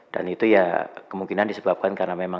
dan itu ya kemungkinan disebabkan karena